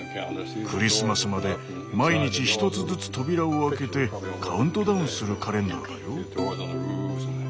クリスマスまで毎日１つずつ扉を開けてカウントダウンするカレンダーだよ。